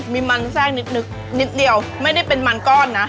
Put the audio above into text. มีมันแทรกนิดนิดเดียวไม่ได้เป็นมันก้อนนะ